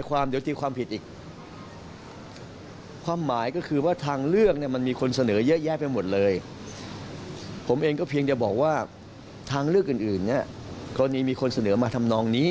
ก็เพียงจะบอกว่าทางเลือกอื่นนี่คราวนี้มีคนเสนอมาทำนองนี้